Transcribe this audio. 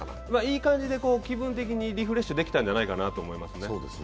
いい感じで気分的にリフレッシュできたんじゃないかと思いますね。